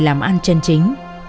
làm ăn chân chính